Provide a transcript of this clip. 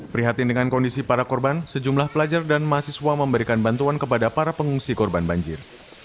prihatin dengan kondisi para korban sejumlah pelajar dan mahasiswa memberikan bantuan kepada para pengungsi korban banjir